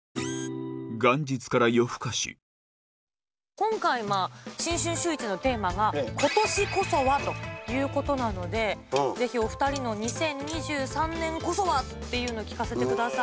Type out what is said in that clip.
今回、新春シューイチのテーマが、今年こそはということなので、ぜひお２人の２０２３年こそはっていうのを聞かせてください。